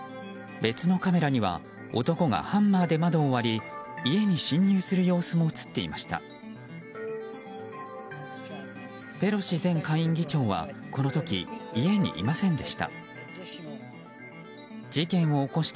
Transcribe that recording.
別のカメラには男がハンマーで窓を割り家に侵入する様子も映っていました。